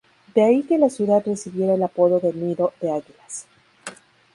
De ahí que la ciudad recibiera el apodo de "Nido de Águilas".